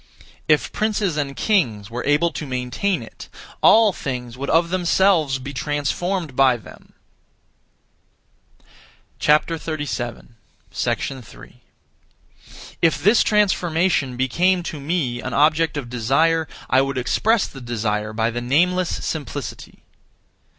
If princes and kings were able to maintain it, all things would of themselves be transformed by them. 3. If this transformation became to me an object of desire, I would express the desire by the nameless simplicity.